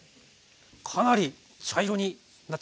かなり茶色になってますね。